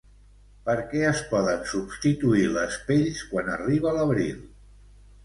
Per què es poden substituir les pells, quan arriba l'abril?